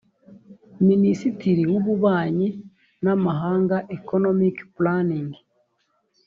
minisitiri w ububanyi n amahanga economic planning